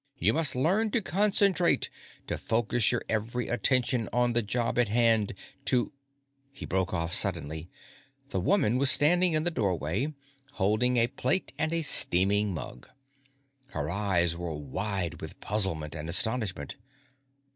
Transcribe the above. "You must learn to concentrate, to focus your every attention on the job at hand, to " He broke off suddenly. The woman was standing in the doorway, holding a plate and a steaming mug. Her eyes were wide with puzzlement and astonishment.